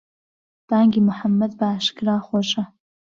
بانگی موحەمەد بە ئاشکرا خۆشە